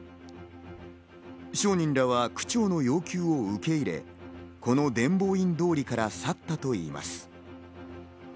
商人らは区長の要求を受け入れ、この伝法院通りから去ったといいます。